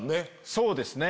そうですね。